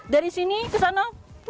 dari sini ke sana